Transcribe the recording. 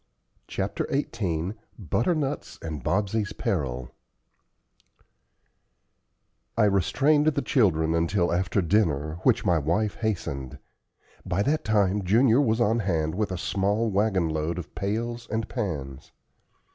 CHAPTER XVIII BUTTERNUTS AND BOBSEY'S PERIL I restrained the children until after dinner, which my wife hastened. By that time Junior was on hand with a small wagon load of pails and pans.